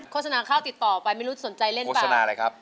โฆษณาข้าวติดต่อไปไม่รู้จะสนใจเล่นป่ะ